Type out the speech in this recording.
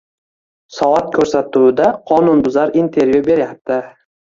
-soat ko'rsatuvida qonunbuzar intervyu beryapti